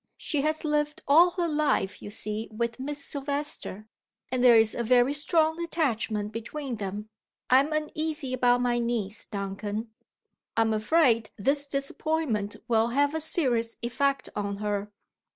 She has lived all her life, you see, with Miss Silvester; and there is a very strong attachment between them. I am uneasy about my niece, Duncan. I am afraid this disappointment will have a serious effect on her."